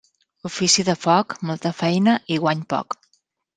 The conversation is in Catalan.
Ofici de foc, molta feina i guany poc.